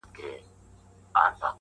نو د دې دواړو تاريخي پېښو